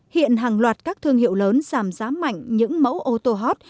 hiện hàng loạt các thương hiệu lớn giảm giá mạnh những mẫu ô tô hot